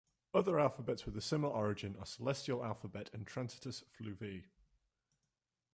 Other alphabets with a similar origin are Celestial Alphabet and Transitus Fluvii.